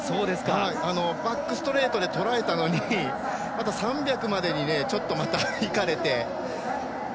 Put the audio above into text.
バックストレートでとらえたのに３００までにちょっといかれて。